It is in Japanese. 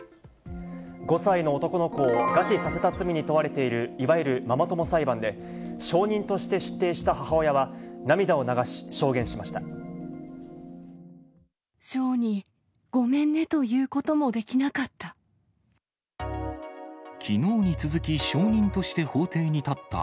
５歳の男の子を餓死させた罪に問われている、いわゆるママ友裁判で、証人として出廷した母親は、涙を流し証言しました。